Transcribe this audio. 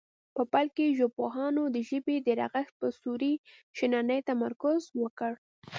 په پیل کې ژبپوهانو د ژبې د رغښت په صوري شننې تمرکز وکړ